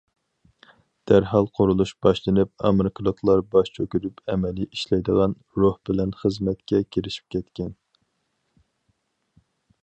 دەرھال قۇرۇلۇش باشلىنىپ ئامېرىكىلىقلار باش چۆكۈرۈپ ئەمەلىي ئىشلەيدىغان روھ بىلەن خىزمەتكە كىرىشىپ كەتكەن.